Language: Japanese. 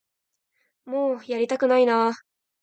もうやりたくないな